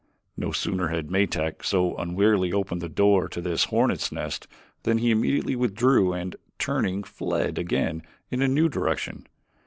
No sooner had Metak so unwarily opened the door to this hornets' nest than he immediately withdrew and, turning, fled again in a new direction.